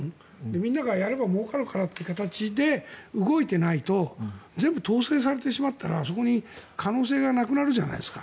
みんながやればもうかるからという形で動いていないと全部統制してしまったらもうからないじゃないですか。